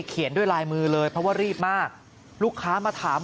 เขียนด้วยลายมือเลยเพราะว่ารีบมากลูกค้ามาถาม